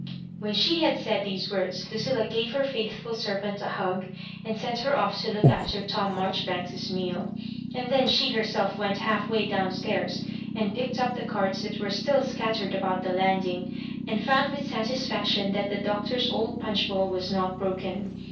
When she had said these words, Lueilla gave her faithful servant a hug, and sent her off to look after Tom Marjoribanks's meal ; and then she herself went half way down stairs and picked up the cards that were still scattered about the landing, and found with satisfaction that the doctor's old punch bowl was not broken.